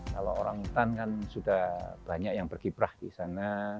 kalau orang hutan kan sudah banyak yang berkiprah di sana